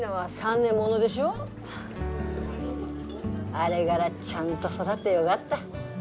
あれがらちゃんと育ってよがった。